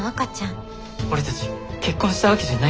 俺たち結婚したわけじゃないだろ。